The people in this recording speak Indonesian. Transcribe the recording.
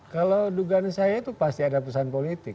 kalau dugaan saya itu pasti ada pesan politik